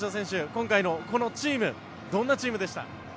今回のこのチームどんなチームでした？